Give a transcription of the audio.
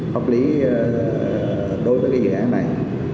pháp lý đối với cái dự án này